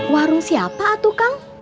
warung siapa tuh kang